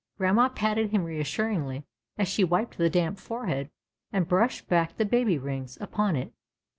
Grandma patted him reassuringly as she wiped the damp forehead and brushed back the baby rings upon it.